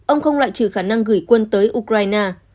ông không loại trừ khả năng gửi quân tới ukraine